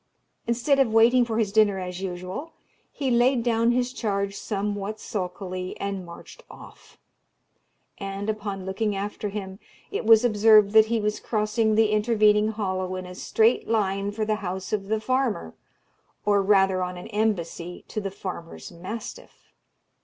Instead of waiting for his dinner as usual, he laid down his charge somewhat sulkily, and marched off; and, upon looking after him, it was observed that he was crossing the intervening hollow in a straight line for the house of the farmer, or rather on an embassy to the farmer's mastiff.